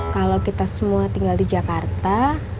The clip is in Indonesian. kalau kita semua tinggal di jakarta